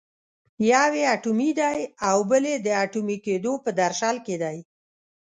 یو یې اټومي دی او بل یې د اټومي کېدو په درشل کې دی.